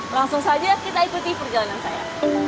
langsung saja kita ikuti perjalanan saya